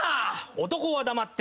男は黙って。